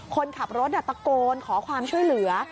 คนขับรถตะโกนขอความช่วยเหลือ